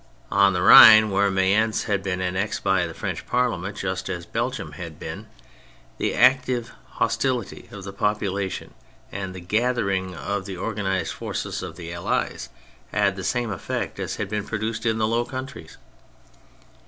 On the Rhine (where Mayence had been annexed by the French Parliament just as Belgium had been) the active hostility of the population and the gathering of the organised forces of the Allies had the same effect as had been produced in the Low Countries.